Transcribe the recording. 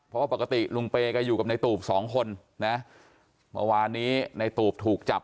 เพราะว่าปกติลุงเปย์ก็อยู่กับในตูบสองคนนะเมื่อวานนี้ในตูบถูกจับ